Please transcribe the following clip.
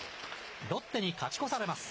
ロッテに勝ち越されます。